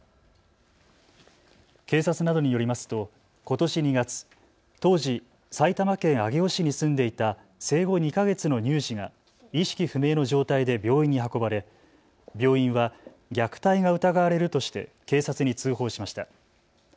警察などによりますとことし２月、当時、埼玉県上尾市に住んでいた生後２か月の乳児が意識不明の状態で病院に運ばれ病院は虐待が疑われるとして警察に通報しました。